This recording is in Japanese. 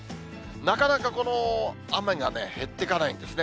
なかなかこの雨が減っていかないんですね。